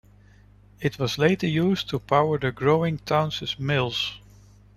It was later used to power the growing town's mills.